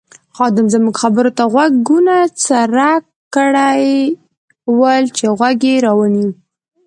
خادم زموږ خبرو ته غوږونه څرک کړي ول چې غوږ یې را ونیو.